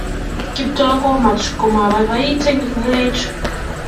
Kiptoo komuch komabaibait eng ngalek chu